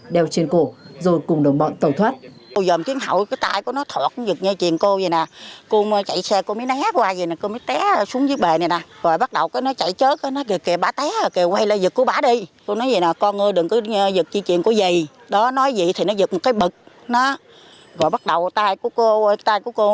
đeo trên cổ rồi cùng đồng bọn tàu thoát